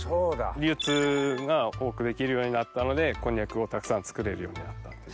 流通が多くできるようになったのでこんにゃくをたくさん作れるようになったっていう。